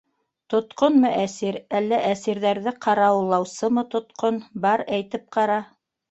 Тотҡонмо әсир, әллә әсирҙәрҙе ҡарауыллаусымы тотҡон - бар, әйтеп ҡара...